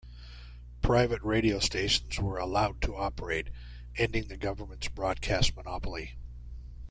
Private radio stations were allowed to operate, ending the government's broadcast monopoly.